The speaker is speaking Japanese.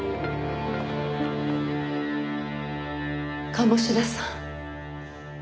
鴨志田さん。